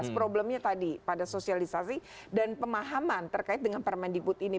problemnya tadi pada sosialisasi dan pemahaman terkait dengan permendikbud ini